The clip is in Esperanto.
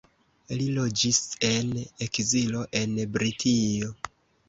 Li loĝis en ekzilo en Britio.